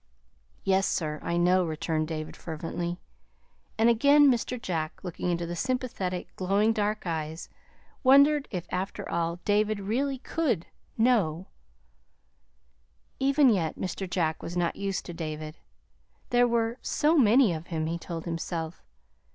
"Yes, sir, I know," returned David fervently. And again Mr. Jack, looking into the sympathetic, glowing dark eyes, wondered if, after all, David really could know. Even yet Mr. Jack was not used to David; there were "so many of him," he told himself.